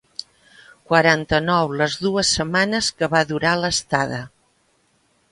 Quaranta-nou les dues setmanes que va durar l'estada.